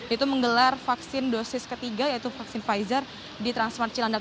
itu menggelar vaksin dosis ketiga yaitu vaksin pfizer di transmart cilandak